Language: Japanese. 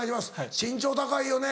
身長高いよね。